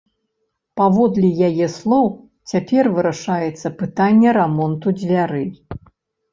Паводле яе слоў, цяпер вырашаецца пытанне рамонту дзвярэй.